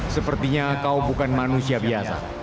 sepertinya kau bukan manusia biasa